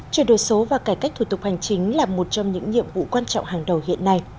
chuyển đổi số và cải cách thủ tục hành chính là một trong những nhiệm vụ quan trọng hàng đầu hiện nay